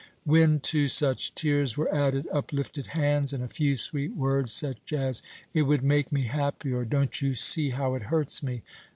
When to such tears were added uplifted hands and a few sweet words, such as, 'It would make me happy,' or, 'Don't you see how it hurts me?'